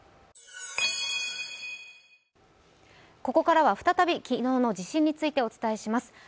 ここからは再び昨日の地震についてお伝えします。